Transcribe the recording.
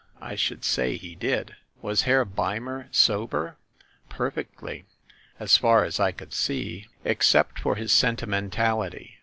I should say he did! Was Herr Beimer sober?" "Perfectly, as far as I could see, except for his sentimentality.